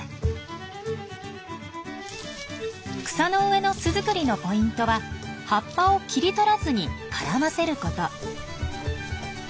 草の上の巣作りのポイントは葉っぱを切り取らずに絡ませること。